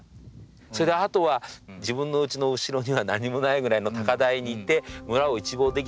それであとは自分のうちの後ろには何もないぐらいの高台に行って村を一望できたっていうもの。